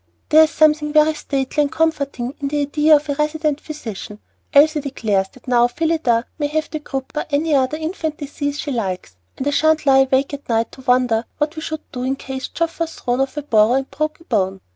"There is something very stately and comforting in the idea of a 'resident physician.' Elsie declares that now Phillida may have croup or any other infant disease she likes, and I sha'n't lie awake at night to wonder what we should do in case Geoffey was thrown from the burro and broke a bone.